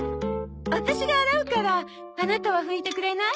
ワタシが洗うからアナタは拭いてくれない？